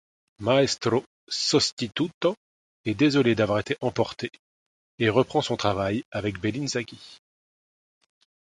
Maestro sostituto est désolé d’avoir été emporté et reprend son travail avec Bellinzaghi.